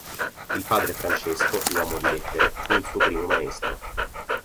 Il padre Francesco, uomo di lettere, fu il suo primo maestro.